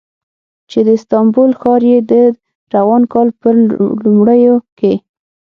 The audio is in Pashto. چې د استانبول ښار یې د روان کال په لومړیو کې